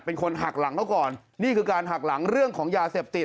เป็นคนหักหลังเขาก่อนนี่คือการหักหลังเรื่องของยาเสพติด